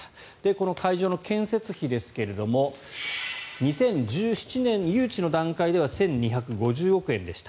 この会場の建設費ですが２０１７年、誘致の段階では１２５０億円でした。